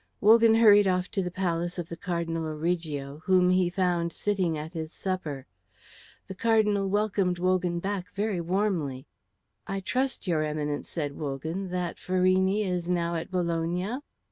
Wogan hurried off to the palace of the Cardinal Origo, whom he found sitting at his supper. The Cardinal welcomed Wogan back very warmly. "I trust, your Eminence," said Wogan, "that Farini is now at Bologna."